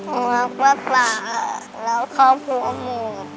ผมรักป๊าปะแล้วครอบครัวหมด